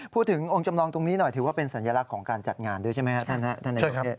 พูดถึงองค์จำลองตรงนี้หน่อยถือว่าเป็นสัญลักษณ์ของการจัดงานด้วยใช่ไหมครับท่านนายก